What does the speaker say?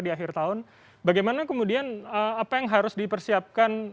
di akhir tahun bagaimana kemudian apa yang harus dipersiapkan